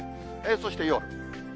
そして夜。